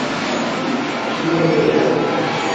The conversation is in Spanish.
¿ella no beberá?